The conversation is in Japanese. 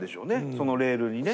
そのレールにね。